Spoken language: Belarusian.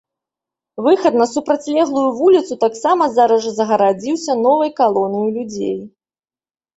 Выхад на супрацьлеглую вуліцу таксама зараз жа загарадзіўся новай калонаю людзей.